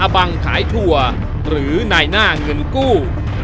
บังขายทัวร์หรือนายหน้าเงินกู้